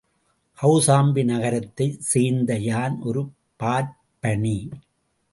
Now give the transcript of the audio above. கௌசாம்பி நகரத்தைச் சேர்ந்த யான் ஒரு பார்ப்பனி.